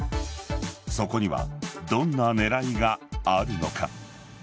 そこにはどんな狙いがあるのか。